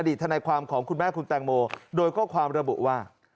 ทนายความของคุณแม่คุณแตงโมโดยข้อความระบุว่า